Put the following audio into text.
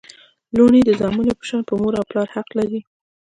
لوڼي د زامنو په شان پر مور او پلار حق لري